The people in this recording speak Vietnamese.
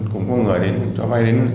cũng có người cho vai đến năm